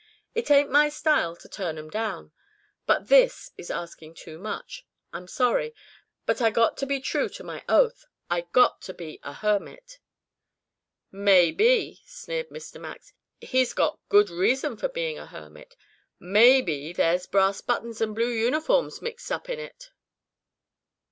It ain't my style to turn 'em down. But this is asking too much. I'm sorry. But I got to be true to my oath I got to be a hermit." "Maybe," sneered Mr. Max, "he's got good reason for being a hermit. Maybe there's brass buttons and blue uniforms mixed up in it."